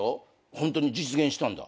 ホントに実現したんだ？